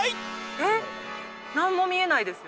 えっ何も見えないですよ。